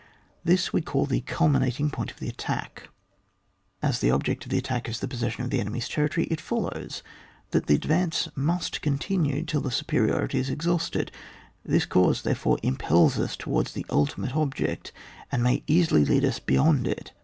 This we call the culminating point of the attack. — As the object of the attack is the possession of the enemy's territory, it follows that the advance must continue till the superiority is exhausted ; this cause, therefore, impels us towards the ultimate object, and may easily lead us beyond it.